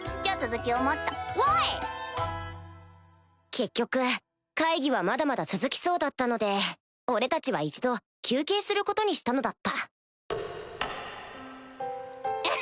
結局会議はまだまだ続きそうだったので俺たちは一度休憩することにしたのだったアハ！